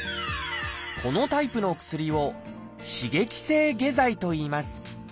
このタイプの薬を「刺激性下剤」といいます